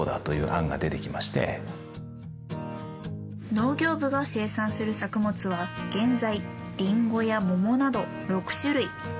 農業部が生産する作物は現在リンゴや桃など６種類。